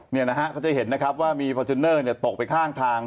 นี่นะฮะก็จะเห็นนะครับว่ามีฟอร์จูเนอร์ตกไปข้างทาง